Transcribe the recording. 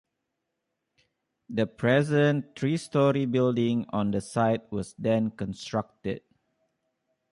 The present three-storey building on the site was then constructed.